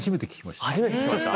初めて聞きました。